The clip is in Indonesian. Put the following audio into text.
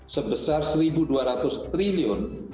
sebesar rp satu dua ratus triliun